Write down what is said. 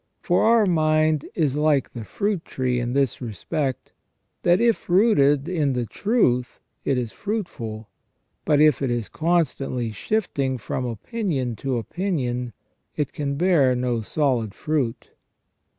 For our mind is like the fruit tree in this respect, that if rooted in the truth it is fruitful, but if it is constantly shifting from opinion to opinion, it can bear no solid fruit.